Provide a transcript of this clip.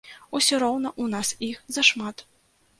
Усё роўна у нас іх зашмат.